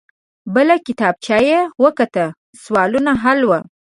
بله کتابچه يې وکته. سوالونه حل وو.